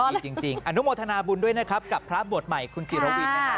ดีจริงอนุโมทนาบุญด้วยนะครับกับพระบวชใหม่คุณจิรวินนะฮะ